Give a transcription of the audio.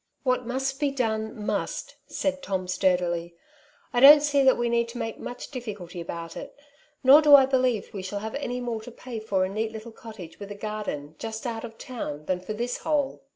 '^ What must be done, must/^ said Tom sturdily. " I don't see that we need make much difficulty about it ; nor do I believe we shall have any more to pay for a neat little cottage with a garden just out of town than for this hole.